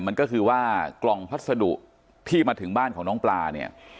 มันก็คือว่ากล่องพัสดุที่มาถึงบ้านของน้องปลาเนี่ย